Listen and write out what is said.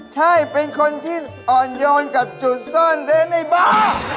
ใช่เป็นคนที่อ่อนโยนกับจุดซ่อนเดินในบ้าน